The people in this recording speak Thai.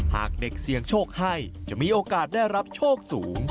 หากเด็กเสี่ยงโชคให้จะมีโอกาสได้รับโชคสูง